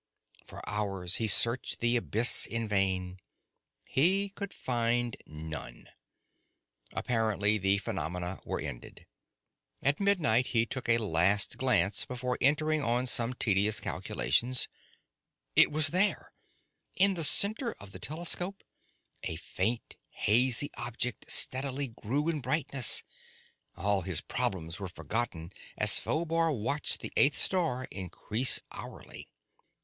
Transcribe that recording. For hours he searched the abyss in vain. He could find none. Apparently the phenomena were ended. At midnight he took a last glance before entering on some tedious calculations. It was there! In the center of the telescope a faint, hazy object steadily grew in brightness. All his problems were forgotten as Phobar watched the eighth star increase hourly.